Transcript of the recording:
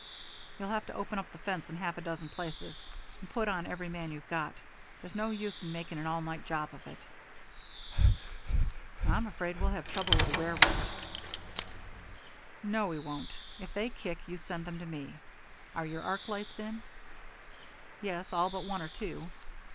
"You'll have to open up the fence in half a dozen places, and put on every man you've got. There's no use in making an all night job of it." "I'm afraid we'll have trouble with the railroad." "No, we won't. If they kick, you send them to me. Are your arc lights in?" "Yes, all but one or two.